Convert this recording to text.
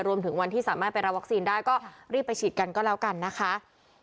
รวมถึงวันที่สามารถไปรับวัคซีนได้ก็รีบไปฉีดกันก็แล้วกันนะคะ